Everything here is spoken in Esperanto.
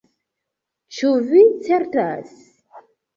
Ĉu vi certas?